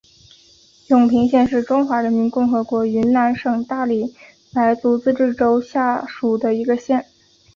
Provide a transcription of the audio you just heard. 永平县是中华人民共和国云南省大理白族自治州下属的一个县。